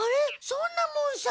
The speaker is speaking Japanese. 尊奈門さん。